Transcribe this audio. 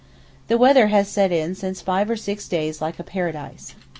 The weather has set in since five or six days quite like paradise.